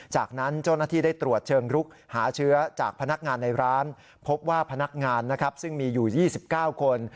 จากนั้นเจ้าหน้าที่ได้ตรวจเชิงรุกหาเชื้อจากพนักงานในร้านพบว่าพนักงานนะครับซึ่งมีอยู่๒๙คน